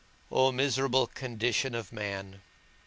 O miserable condition of man!